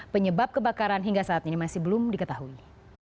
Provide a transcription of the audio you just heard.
penyebab kebakaran hingga saat ini masih belum diketahui